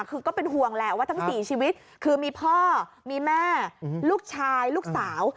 คือก็เป็นห่วงแหละว่าทั้ง๔ชีวิตคือมีพ่อมีแม่ลูกชายลูกสาว